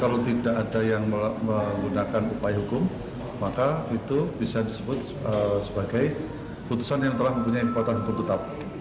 kalau tidak ada yang menggunakan upaya hukum maka itu bisa disebut sebagai putusan yang telah mempunyai kekuatan hukum tetap